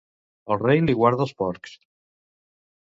El Rei li guarda els porcs!